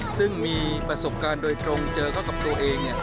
ซึ่งมีประสบการณ์โดยตรงเจอเข้ากับตัวเอง